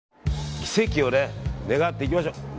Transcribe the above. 奇跡を願っていきましょう。